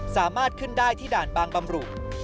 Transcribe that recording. สามารถขึ้นได้ที่ด่านบางบำรุ